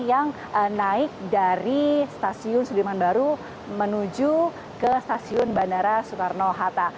yang naik dari stasiun sudirman baru menuju ke stasiun bandara soekarno hatta